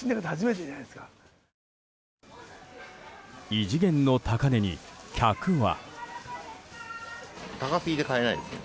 異次元の高値に、客は。